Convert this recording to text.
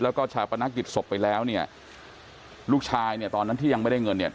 แล้วก็ชาปนักกิจศพไปแล้วเนี่ยลูกชายเนี่ยตอนนั้นที่ยังไม่ได้เงินเนี่ย